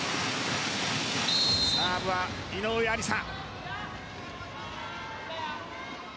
サーブは井上愛里沙。